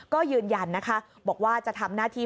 ก็ยืนยันนะคะบอกว่าจะทำหน้าที่